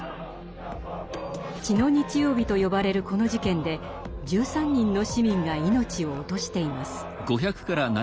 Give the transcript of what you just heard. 「血の日曜日」と呼ばれるこの事件で１３人の市民が命を落としています。